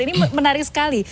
ini menarik sekali